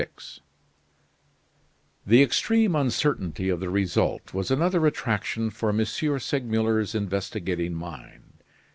XVI The extreme uncertainty of the result was another attraction for M. Segmuller's investigating mind.